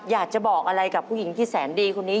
อยากจะบอกอะไรกับผู้หญิงที่แสนดีคนนี้